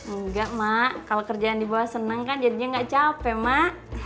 enggak mak kalau kerjaan di bawah seneng kan jadinya nggak capek mak